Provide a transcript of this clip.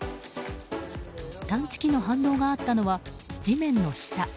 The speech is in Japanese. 探知機の反応があったのは地面の下。